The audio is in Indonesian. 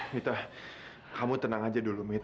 mita kamu tenang aja dulu mito